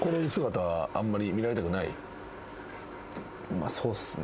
まあそうっすね。